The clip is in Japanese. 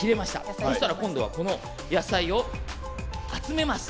そうしたらこの野菜を集めます。